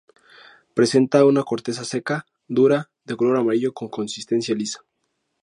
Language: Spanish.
Presenta una corteza seca, dura, de color amarillo con consistencia lisa.